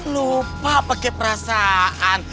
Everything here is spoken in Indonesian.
lupa pakai perasaan